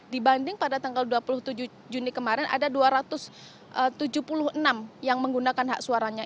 dibanding pada tanggal dua puluh tujuh juni kemarin ada dua ratus tujuh puluh enam yang menggunakan hak suaranya